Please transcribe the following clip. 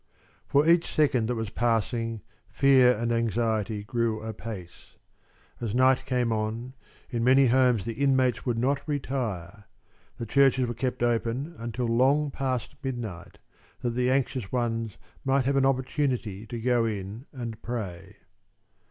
For each second that was passing, fear and anxiety grew apace. As night came on, in many homes the inmates would not retire. The churches were kept open until long past midnight, that the anxious ones might have an opportunity to go in and pray.